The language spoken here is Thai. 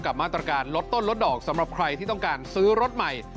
มาตรการลดต้นลดดอกสำหรับใครที่ต้องการซื้อรถใหม่